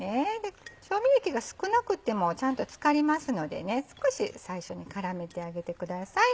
調味液が少なくてもちゃんと漬かりますので少し最初に絡めてあげてください。